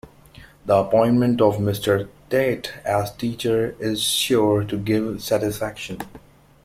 The appointment of Mr. Tait as teacher is sure to give satisfaction.